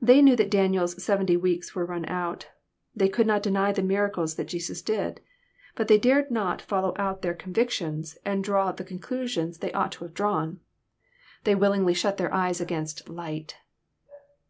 They knew that Daniel's seventy weeks were run out. They could not deny the miracles that Jesus did. But they dared not follow out their convictions, and draw the conciusloo /' 298 EXFOSITOBT THOUOHTB. they ought to have drawn. Thej wUlingly shot their eyef against light.